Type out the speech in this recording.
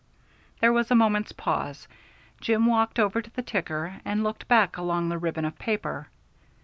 There was a moment's pause. Jim walked over to the ticker and looked back along the ribbon of paper.